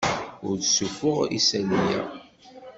Ur ssuffuɣ isali-a.